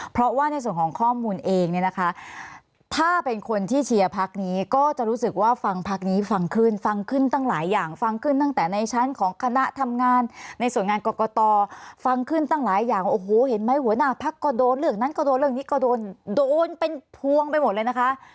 เพราะว่าในส่วนของข้อมูลเองเนี่ยนะคะถ้าเป็นคนที่เชียร์พักนี้ก็จะรู้สึกว่าฟังพักนี้ฟังขึ้นฟังขึ้นตั้งหลายอย่างฟังขึ้นตั้งแต่ในชั้นของคณะทำงานในส่วนงานกรกตฟังขึ้นตั้งหลายอย่างโอ้โหเห็นไหมหัวหน้าพักก็โดนเรื่องนั้นก็โดนเรื่องนี้ก็โดนโดนเป็นพวงไปหมดเลยนะคะ